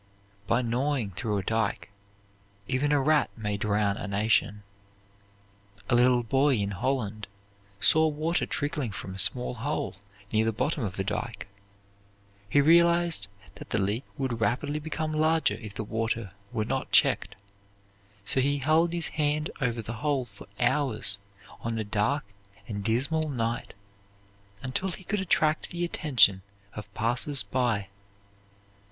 By gnawing through a dike, even a rat may drown a nation. A little boy in Holland saw water trickling from a small hole near the bottom of a dike. He realized that the leak would rapidly become larger if the water were not checked, so he held his hand over the hole for hours on a dark and dismal night until he could attract the attention of passers by.